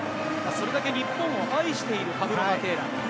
それだけ日本を愛しているパブロ・マテーラ。